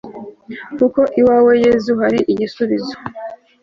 kuko iwawe yezu hari igisubizo